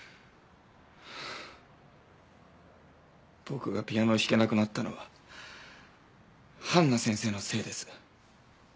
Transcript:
僕がピアノを弾けなくなったのはハンナ先生のせいです。